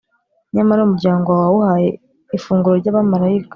Nyamara umuryango wawe wawuhaye ifunguro ry’abamalayika,